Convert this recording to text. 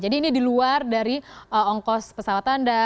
jadi ini di luar dari ongkos pesawat anda